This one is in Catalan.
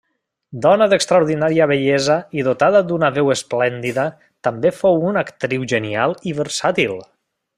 Dona d'extraordinària bellesa i dotada d'una veu esplèndida, també fou una actriu genial i versàtil.